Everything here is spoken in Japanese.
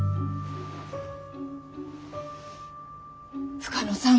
深野さん